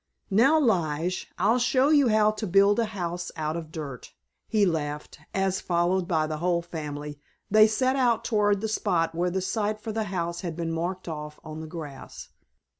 "Now, Lige, I'll show you how to build a house out of dirt," he laughed, as, followed by the whole family, they set out toward the spot where the site for the house had been marked off on the grass.